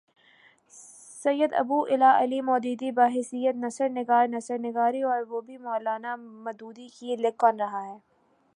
سید ابو الاعلی مودودی، بحیثیت نثر نگار نثر نگاری اور وہ بھی مو لانا مودودی کی! لکھ کون رہا ہے؟